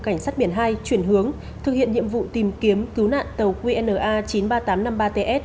cảnh sát biển hai chuyển hướng thực hiện nhiệm vụ tìm kiếm cứu nạn tàu qna chín mươi ba nghìn tám trăm năm mươi ba ts